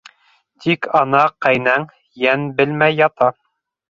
Тик ана ҡәйнәң йән белмәй ята.